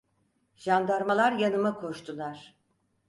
Jandarmalar yanıma koştular.